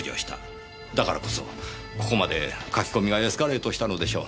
だからこそここまで書き込みがエスカレートしたのでしょう。